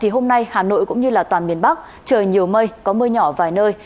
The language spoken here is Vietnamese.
hôm nay hà nội cũng như toàn miền bắc trời nhiều mây có mưa nhỏ vài nơi